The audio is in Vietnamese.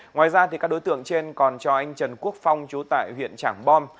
ngoài ra các đối tượng trên còn cho anh trần quốc phong chú tại huyện trảng bom